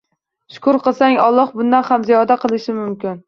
Shukr qilsak, Alloh bundan ham ziyoda qilishi mumkin